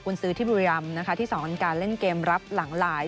คุณซื้อที่บุรีรำนะคะที่สอนการเล่นเกมรับหลังหลาย